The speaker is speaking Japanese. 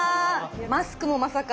マスクもまさか。